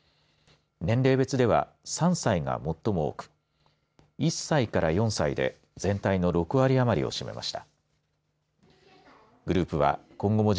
年齢別では３歳が最も多く１歳から４歳で全体の６割余りを占めました。